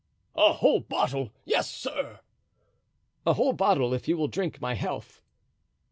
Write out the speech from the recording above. "A whole bottle? Yes, sir." "A whole bottle, if you will drink my health."